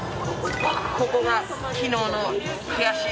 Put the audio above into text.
ここが昨日の悔しい。